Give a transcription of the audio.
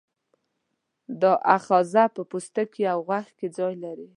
دا آخذه په پوستکي او غوږ کې ځای لري.